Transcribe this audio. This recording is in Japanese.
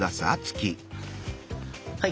はい！